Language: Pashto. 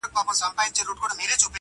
انسانان لا هم زده کوي تل